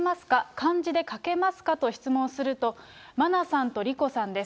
漢字で書けますかと質問しますと、真菜さんと莉子さんです。